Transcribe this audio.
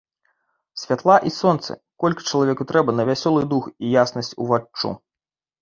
Святла і сонца, колькі чалавеку трэба на вясёлы дух і яснасць уваччу.